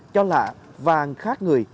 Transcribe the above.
cho là vàng khác người